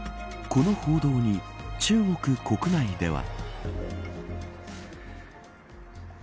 この報道に中国国内では。